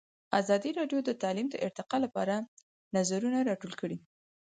ازادي راډیو د تعلیم د ارتقا لپاره نظرونه راټول کړي.